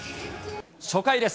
初回です。